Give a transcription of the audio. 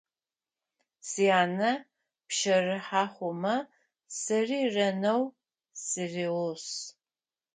Сянэ пщэрыхьэ хъумэ, сэри ренэу сыригъус.